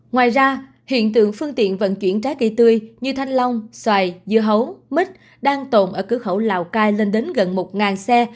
ngoài ra hiện tượng phương tiện vận chuyển trái cây tươi như thanh long xoài dưa hấu mít đang tồn ở cửa khẩu lào cai lên đến gần một xe